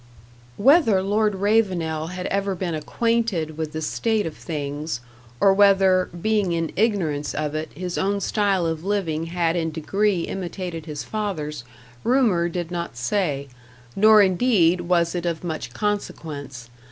Whether Lord Ravenel had ever been acquainted with the state of things, or whether, being in ignorance of it, his own style of living had in degree imitated his father's, rumour did not say, nor indeed was it of much consequence.